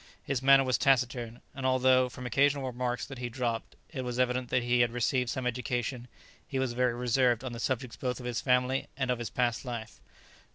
His manner was taciturn, and although, from occasional remarks that he dropped, it was evident that he had received some education, he was very reserved on the subjects both of his family and of his past life.